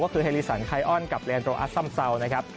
ก็คือไฮรีสันไคออนกับเรียนโดรอัสซ่ำเซานะครับ